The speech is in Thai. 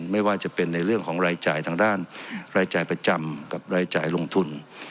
ไม่ว่าจะเป็นในเรื่องของรายจ่ายทางด้านรายจ่ายประจำกับรายจ่ายลงทุน